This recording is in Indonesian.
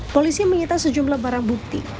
polisi menyita sejumlah barang bukti